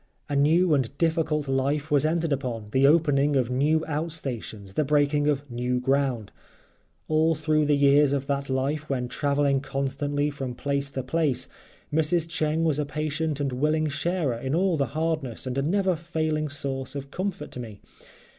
A new and difficult life was entered upon—the opening of new out stations, the breaking of new ground. All through the years of that life when traveling constantly from place to place, Mrs. Cheng was a patient and willing sharer in all the hardness and a never failing source of comfort to me.